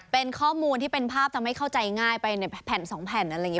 เป็นข้อมูลที่เป็นภาพทำให้เข้าใจง่ายไปในแผ่น๒แผ่นอะไรอย่างนี้